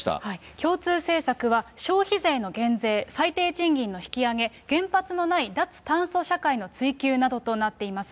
共通政策は消費税の減税、最低賃金の引き上げ、原発のない脱炭素社会の追求などとなっています。